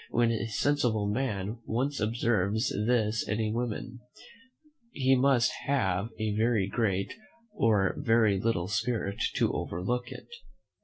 When a sensible man once observes this in a woman, he must have a very great, or very little, spirit to overlook it.